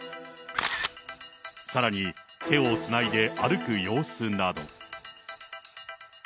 さらに手をつないで歩く様子など。